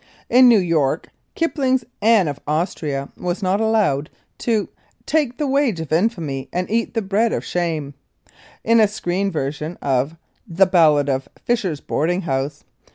In New York Kipling's Anne of Austria was not allowed to "take the wage of infamy and eat the bread of shame" in a screen version of "The Ballad of Fisher's Boarding House."